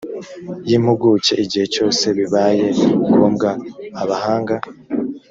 y impuguke igihe cyose bibaye ngombwa abahanga